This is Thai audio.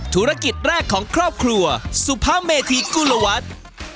ธุรกิจแรกของครอบครัวสุภเมธีกุลวัฒน์